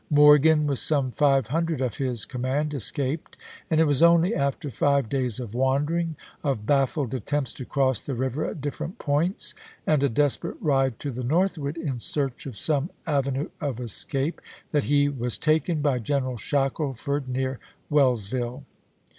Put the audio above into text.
Morgan, with some five hundred of his com mand, escaped, and it was only after five days of wandering, of baffled attempts to cross the river 58 ABEAHAM LINCOLN July 26, Dufee, " History of Morgan's Cavalry," p. 528. at different points, and a desperate ride to the northward in search of some avenue of escape, that he was taken by General Shackleford near Wells ville.